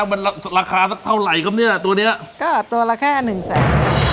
มันราคาสักเท่าไหร่ครับเนี่ยตัวเนี้ยก็ตัวละแค่หนึ่งแสน